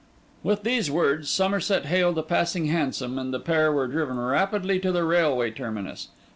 With these words, Somerset hailed a passing hansom; and the pair were driven rapidly to the railway terminus.